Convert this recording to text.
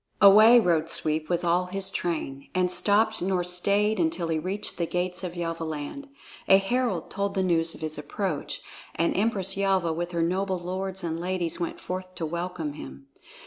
Away rode Sweep with all his train, and stopped nor stayed until he reached the gates of Yelvaland. A herald told the news of his approach, and Empress Yelva with her noble lords and ladies went forth to welcome him.